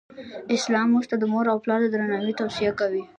اسلام مونږ ته د مور او پلار د درناوې توصیه کوی.